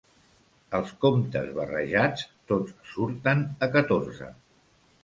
Els comptes barrejats tots surten a catorze.